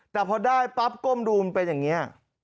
แต่พอได้ปั๊บก้มดูมันเป็นอย่างนี้